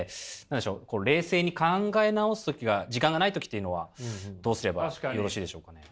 冷静に考え直す時が時間がない時っていうのはどうすればよろしいでしょうかね？